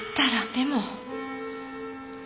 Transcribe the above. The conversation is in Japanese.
でも？